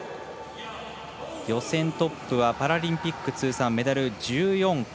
予選トップはパラリンピック通算メダル１４個。